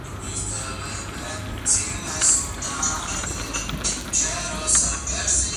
Dicho argumento fue denominado por los historiadores como la tesis de la ""hermana mayor"".